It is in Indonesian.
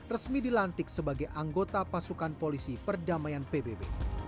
resmi dilantik sebagai anggota pasukan polisi perdamaian pbb